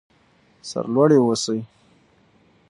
سر لوړي اوسئ.